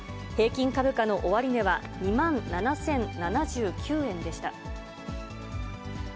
平均株価の終値は、２万７０７９円でした。